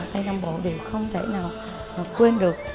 tây nam bộ đều không thể nào quên được